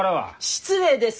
失礼です